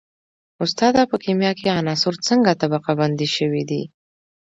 استاده په کیمیا کې عناصر څنګه طبقه بندي شوي دي